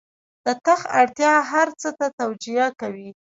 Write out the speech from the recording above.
د تخت اړتیا هر څه توجیه کوي.